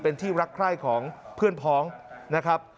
เป็นที่รักใคร่ของเพื่อนพ้องนะครับ